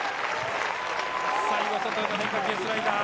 最後、外への変化球、スライダー。